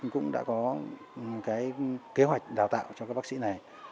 cũng đã có cái kế hoạch đào tạo cho các bác sĩ này